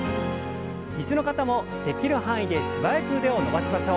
椅子の方もできる範囲で素早く腕を伸ばしましょう。